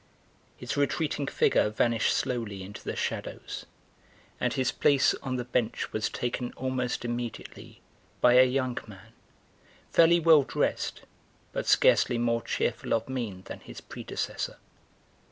His retreating figure vanished slowly into the shadows, and his place on the bench was taken almost immediately by a young man, fairly well dressed but scarcely more cheerful of mien than his predecessor.